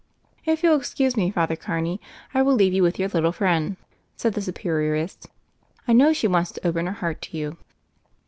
"If you'll excuse me. Father Carney, I will leave you with your little friend," said the Superioress. "I know she wants to open her heart to you."